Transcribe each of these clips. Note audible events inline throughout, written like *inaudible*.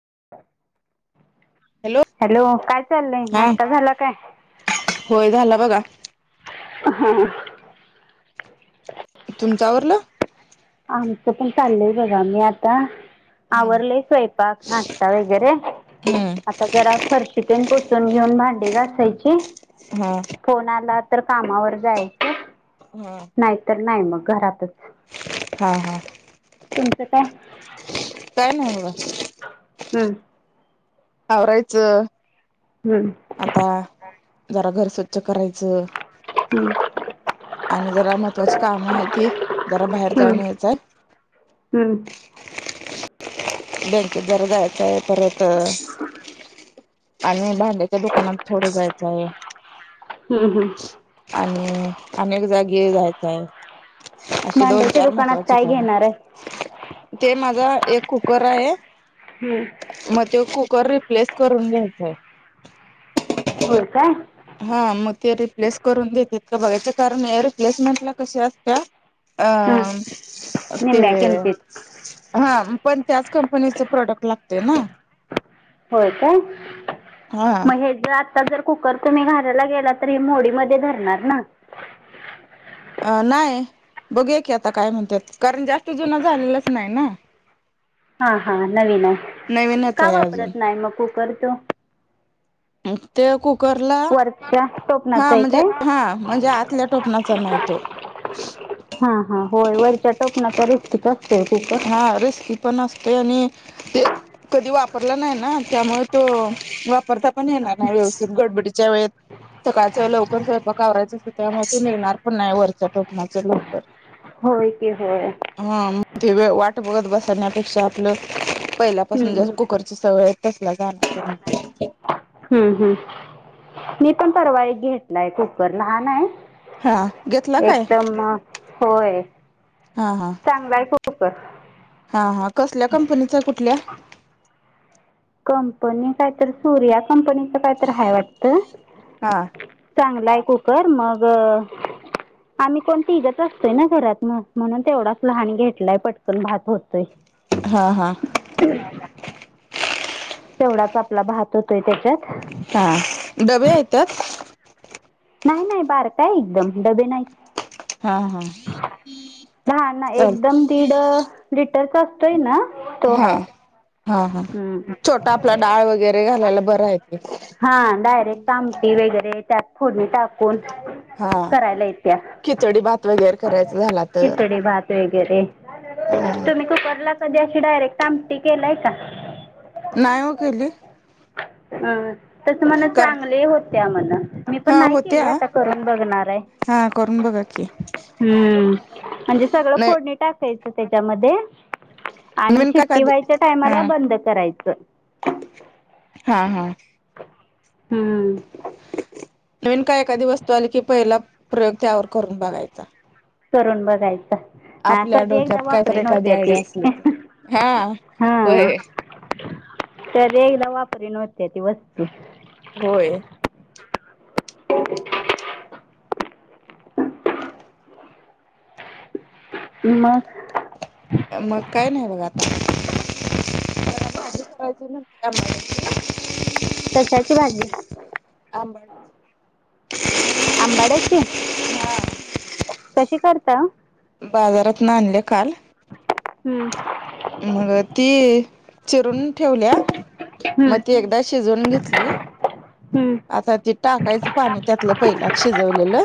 *inaudible* Hello काय चाललय हा नाश्ता झाला काय? होय झाला बघा हा. तुमच्यावरलं. आमचं पण चाललंय बघा मी आता हम्म आवरले स्वयंपाक नाश्ता वगैरे, हम्म आता जरा फरशी तेन पुसून घेऊन भांडी घासायची हा फोन आला तर कामावर जायच.. हम. नाही मग घरातच. हा तुमचं काय. काय नाय बघा. हम्म. आवरायच. हम्म आता जरा घर स्वच्छ करायचं. हम्म. आणि जरा महत्त्वाची काम आहे ती जरा बाहेर हम्म जाऊन यायचंय. हम्म. बँकेत जरा जायचंय परत आणि ब हेच्या दुकानात थोडे जायच आहे. हम्म हम्म आणि अनेक जागे जायच आहे. अशी दोन भांड्याच्या चार दुकानात महत्वाचे काय घेणार कामत आहे ते माझा एक खूप कोरा आहे. हम्म. कर रिप्लेस करून घ्यायचय. होय काय? हा मग ते रिप्लेस करून देतेत का बघायचं कारण या रिप्लेसमेंट ला कशी असत्या. हं अ ते निम्म्या किमतीत हा. पण त्याच कंपनीच प्रोडक्ट लागते ना. होय काय मग हा हेज आ ता जर कुकर तुम्ही घरायला गेला तर हे मोडी मध्ये धरणार ना. अ नाही. बघया की आता काय म्हणतात कारण जास्त जुन झालेलाच नाही ना. हा हा नवीन आहे नवीनच का आहे अजून वापरत नाही कूकर तो? ते खूप करला वरच्या टोपणाच हा आहे म्हणजे काय हा म्हणजे आतल्या टोपणाचा नाही तो. हा हा होय वरच्या टोपणाचा रिस्किच असतोय. कुकर हा रिस्की पण असते आणि ते कधी वापरलं नाही ना त्यामुळे तो वापरता पण ये व्यवस्थित गडबडीच्या वेळेेत सकाळचं लवकर स्वयपाक आवरायचं अस त्या म ते निघणार पण नाही वरच्या टोकणाचं लवकर. होय क होय हा मग ते वे वाट बघत बसवण्यापेक्षा आपलं पहिल्यापासून हम्म जस कुकरची सवय आहेत तसला जाणार हम्म हम्म मी पण परवाई घेतलाय कुकर लहान आहे हा घेतला काय एकदम अ, होय हा हा चांगलाय कुकर हा हा कसल्या कंपनीचा कुठल्या क हा कुकर मग आम्ही कोणती इगत असतोय ना घरात म्हणून तेवढाच लहान घेतलाय पटकन भात होतोय हा हा तेवढाच आपला भहात होतोय त्याच्यात हा डबे येतात नाही नाही बार काय एकदम डबे नाही हा हा ह ना चल एकदम दीड लिटरचा असतोय ना तो हा ह हा हा छोटा आपला डाळ वगैरे घालायला बरा येत. हां डायरेक्ट आमटी वगैरे त्यात फोडणी टाकून. हा करायला येत्या खिचडी भात वगैरे करायचा झाला तर. खिचडी भात वगैरे हा तुम्ही कूकला कधी अशी डायरेक्ट आमटी केलाय का? नाही व केली. अ तस मण कारण चांगले होयत्या म्हण मी पण हा नाही केले होत्या आता करून बघणार आहे. हा करून बघा की हम्म म्हणजे सगळं नाही फोडणी टाकायचं त्याच्यामध्ये आणि नवीन काय का शिट्टी व्हायच्या टामाला हा बंद च हा हा हम्म नवीन काय एखादी वस्तू आली की पहिला प्रयोग त्यावर करून बघायचा करून बघायचं हा आपल्या कधी डोक्यात एकदा काय तर वापरी एखादी नव्हते्या ती आयडिया असली तर हा हा होय तर एकदा वापर नव्हते ती वस्तू होय ह म अडी काराज कशाची भाजी आंबाड्याची आंबाड्याची हा कशी करता बाजारात ना आणले काल हम्म मग ती चिरून ठेवल्या मग हम्म. ती एकदा शिजून घेतली हम्म. आता ते टाकायचं पाणी त्यातलं पहिला शिजवलेलं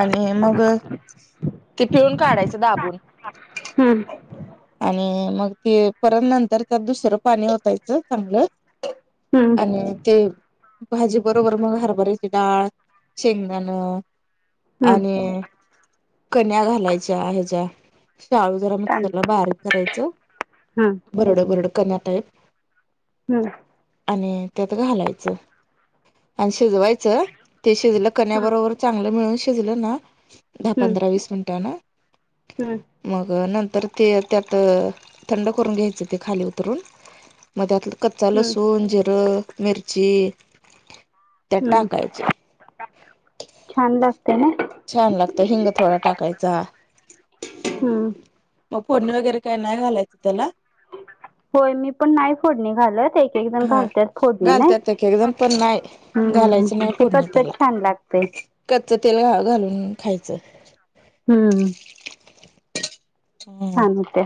आणि मग ते पिळून काढायचं दाबून हम्म आणि मग ते परत नंतर त्यात दुसरं पाणी होतायचं चांगलं हम्म आणि ते भाजी बरोबर मग हरभरायची डाळ शेंगदाण हम्म. आणि कन्या घालायच्या ह ज शाळू जरा मिक्सरला कांदा बारीक करायचं हम्म. बरड बरड कन टाईप हम आणि त्यात घालायच शिजवायचं ते शिजलं हम्म. कनबरोबर चांगलं मिळून शिजलं ना दहा हम्म. पंधरा वीस मिनट ना हम्म. मग नंत तर ते त्यात थंड करून घ्यायचं ते खाली उतरून म त्यातलं कच्चा हम्म. लसूण जिरं मिरची त्यात हम्म टाकायचे छान लागते ना छान लागतं हिंग थोडा टाकायचा हा. हम्म. मग फोडणी वगैरे काय नाही घालायचं त्याला *unintelligible* होय मी पण नाही फोडणी घालत एक एक जण हा घालतत फोडणी नाही घालतात एक एक जण पण नाही हम्म. ह चिरून घालायचं नाही ते फोडणी कधी कधी त्याला छान लाग कच्च तेल घा घालून खायचं. हम्म. हम्म छान होते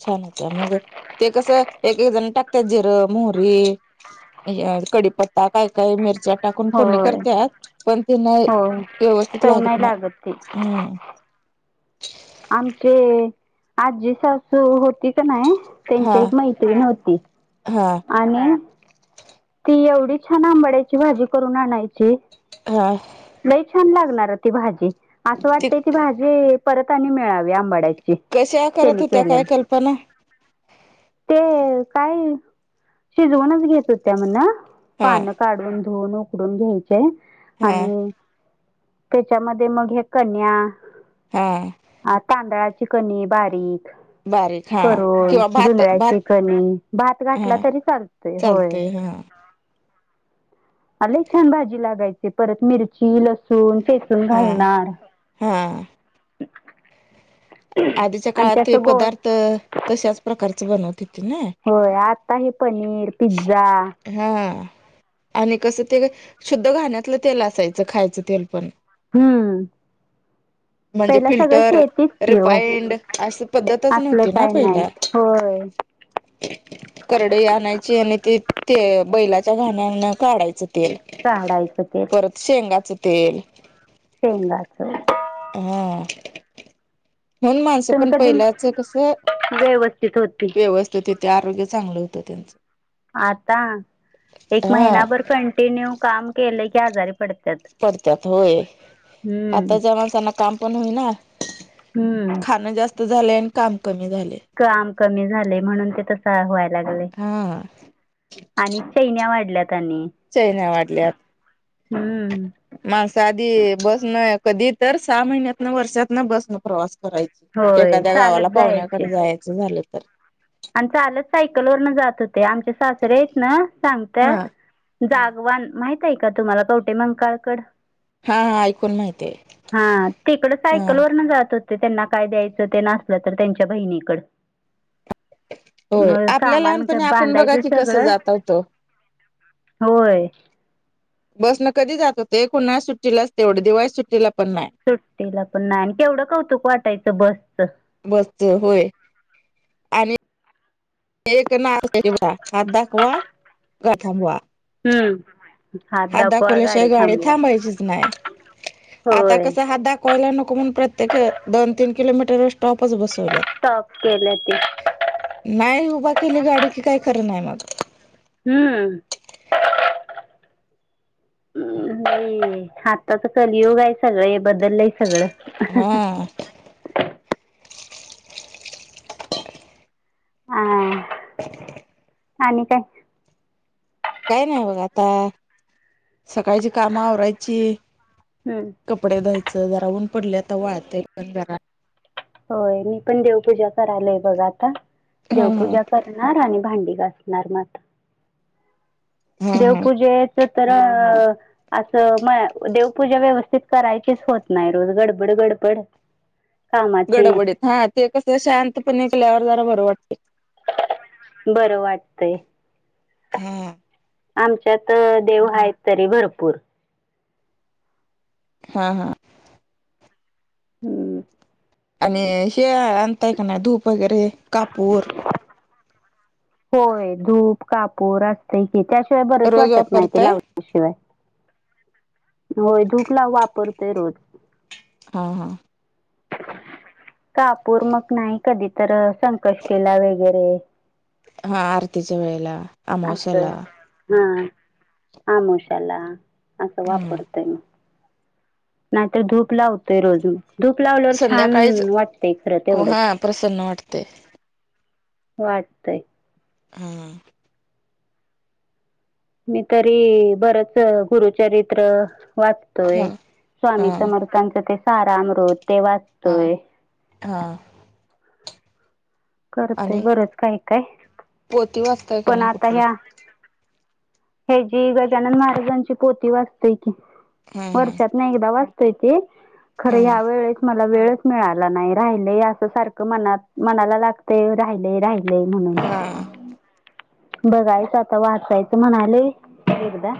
छान होत मग ते कसं एक एक जण टाकतात जिरं मोहरी कडीपत्ता काय काय मिरच्या टाकून फोडणी होय करतत पण त्यांना होय व्यवस्थित चव लागत नाही नाय ते हम्म *unintelligible* आमचे आजी सासू होती का नाही हा त्यांची एक मैत्रीण होती हा आणि ती एवढी छान आंबड्याची भाजी करून आणायची हा नाहीई छान लागणार ती भाजी असं ते वाटतय ती भाजी परत मिळावी आंबाड्याची कशा करत त्यांनी होत्या केले काय कल्पना ते काय शिजवूनच घेत होत्या म्ह हा पान काढून धुून उकडून घ्याय हा आणि त्याच्यामध्ये मग हे कन्या हा तांदळाची कनी बारीक बारीक हा करून किंवा भात जुनऱ्याची भात कणी भात घाठला हा तरी चालतोय होय. चालतय हा. *unintelligible* अले छान भाजी लागायची परत मिरची लसूण ठेचुन हा घालणार. हा आधीच्या आणि काळात हे त्याचं गोळ पदार्थ तशाच प्रकारच बनवते. होय आता हे पनीर पिझ्झा हा आणि कसं ते शुद्ध घाण्यातलं तेल असायचं खायचं तेल पण हम्म पहिला सगळं शेतीच की हो. तेल अशी पद्धतच असलं नव्हती ना काय नाही पहिला. होय कडे आणायची आणि ती ते बैलाच्या घाण्यान काढायचं तेल काढायचं परत शेंगाचं ते शेंगाचं हा. होन माणसं तुम पण कधी पहिल्याच कस व्यवस्थित येते आरोग्य चांगलं होतं त्यांचं. आता एक हा महिनाभर कंटिन्यू काम केले की आजारी पडते पडत्याात होय हम्म. आताच्या माणसांना काम पण होईना हम्म खाणं जास्त झालं आणि काम कमी झालय. काम कमी झा म्हणून ते त वय लागले हा आणि चैन वाढल्या चही नाही वाटल्यात हम्म. माणस आधी बस न कधी तर सहा महिन्यात ना वर्षात ना बसन प्रवास करायची होय एखाद्या गावाला चालत जायचे. पाहुण्याकडे जायचं झालं तर आणि चालच सायकल वरन जात होत. ते आमच्या सासरे आहेत ना हा. सांगतात हा जागवान माह ती का तुम्हाला कवटे मंग काळकड हा ऐकून माहितीय हा तिकड हा सायकल वरन जात होत ते त्यांना काय द्यायचं ते नसलं तर त्यांच्या बहिणीकड होय मग आपल्या सामान लहानपणी आपण बघा बांधायचं की कसं सगळं जात होतो. होय बसन कधी जात होते कोणा सुट्टीला असते एवढं दिवाळीस सुट्टीला पण नाही सुट्टीला पण नाही आणि केवढं कौतुक वाटायचं बसच बसच होय आणि एक ना बा हात दाखवा गथांबवा हम हात दाखवल्याशिवाय गाडी थांबायचीच नाही आता होय कस हात दाखव कोयला नको म्हण प्रत्येक दोन तीन किलोमीटर स्टॉपच बसतो स्टॉप केलं ते. नाही उभा केली गाडी कि काय कर नाही माझ हम्म हम्म हाताच कलियोग आहे सगळं बदललंय सगळं हम्म. *unintelligible* *unintelligible* आणि काय काय नाही बघ आता सकाळची काम वरायची हम्म कपडे धायचं जराहून पडलेता वाळत पण बरा होय मी पण देवपूजा करायलय बघा आता हा हा देवपूजा करणार आणि भांडी णार म हा हा देवपूज अस म देवपूजा व्यवस्थित करायचीच होत नाही रोज गडबड गडबड कामाची गडबडीत हा ते कस शांत पणल्यावर जरा बघ बरं वाटतय हा आमच्यात देव आहेत तरी भरपूर हा हा हम्म आणि हे आणताय का नाही धूप वगैरे कापूर होय धूप कापूर असतय की त्याशिवाय बरंच रोज वाटत माहिती वापरताय लावल्याशिवाय होय धूपला वापरतोय रोज हा हा *unintelligible* कापूर मग नाही कधी तर संकष्टीला वगैरे हा आरतीच्या वेळेला अमावश्याला हामशाला असं हा वापरतोय मी नाहीतर धूप लावतोय रोजून धूप लावलवर छान संध्याकाळीच वाटतेय खरं एवढंच हा प्रसन्न वाटते वाटतय हा मी तरी बरच गुरुचरित्र हा वाचतोय स्वामी हा समर्थांच ते सारामृत ते हा वाचतोय हा करतय आणि बरंच काय काय पोती वाचताय का पण नाही आता कुठली ह्या हे जी गजानन महाराजांची पोती वाजते हम्म हम्म वर्षात ना एकदा वाचतोय ते खर हम्म ह्या वेळे म वेळच मिळाला नाही राहि अस सारख म मनाला लाग राहि राहि ल म्हण हा. बघायचं आता वाचायचं म्हणाले एकदा,